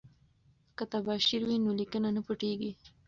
که تباشیر وي نو لیکنه نه پټیږي.